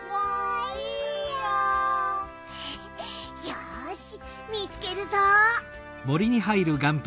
よしみつけるぞ！